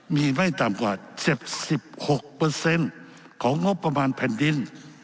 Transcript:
มีไม่ต่ำกว่า๗๖ของงบประมาณแผ่นดิน